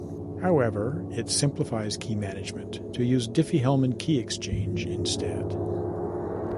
However, it simplifies key management to use Diffie-Hellman key exchange instead.